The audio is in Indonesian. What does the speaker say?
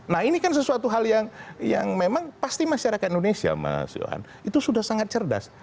nah ini kan sesuatu hal yang memang pasti masyarakat indonesia mas yohan itu sudah sangat cerdas